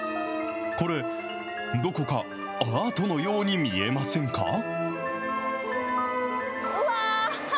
これ、どこかアートのように見えませんか？